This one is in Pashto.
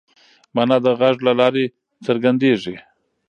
مانا د غږ له لارې څرګنديږي.